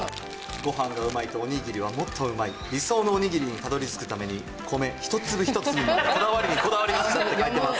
ごはんがうまいと、おにぎりはもっとうまい。理想のおにぎりにたどりつくために、米一粒一粒にこだわりにこだわりましたって書いてます。